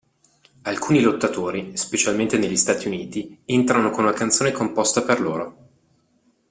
Alcuni lottatori, specialmente negli Stati Uniti, entrano con una canzone composta per loro.